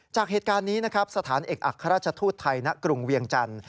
จากเหตุการณ์นี้นะครับสถานเอกอัครราชทูตไทยณกรุงเวียงจันทร์